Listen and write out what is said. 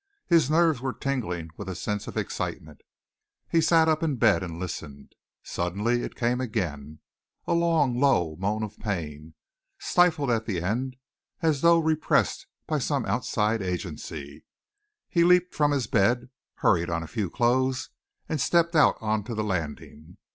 His nerves were tingling with a sense of excitement. He sat up in bed and listened. Suddenly it came again a long, low moan of pain, stifled at the end as though repressed by some outside agency. He leaped from his bed, hurried on a few clothes, and stepped out on to the landing.